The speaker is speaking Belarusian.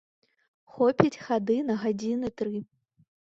Хопіць хады на гадзіны тры.